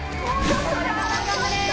頑張れー！